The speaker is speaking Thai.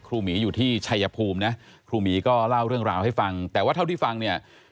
หมีอยู่ที่ชัยภูมินะครูหมีก็เล่าเรื่องราวให้ฟังแต่ว่าเท่าที่ฟังเนี่ย